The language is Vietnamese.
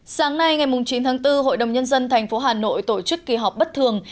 sáng nay ngày chín tháng bốn hội đồng nhân dân tp hà nội tổ chức kỳ họp bất thường